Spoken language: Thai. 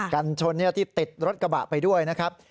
กันชนที่ติดรถกระบะไปด้วยนะครับ